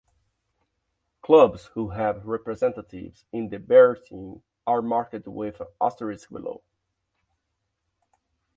Clubs who have representatives in the Bears team are marked with an asterisk below.